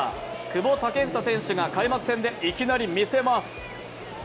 久保建英選手が開幕戦でいきなり見せます。